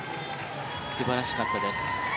素晴らしかったです。